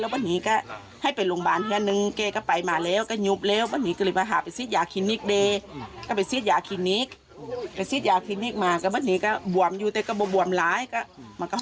ไปเป็นโรงพยาบาลอีกไหมฮะไอ้นี่มองกูไปอยู่กว่าซัก